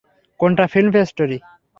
কোনটা film story?